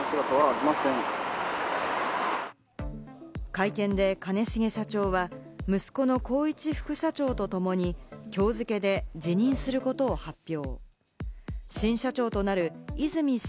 会見で兼重社長は、息子の宏一副社長とともに今日付けで辞任することを発表。